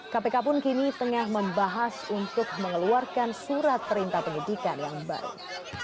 kpk pun kini tengah membahas untuk mengeluarkan surat perintah penyidikan yang baik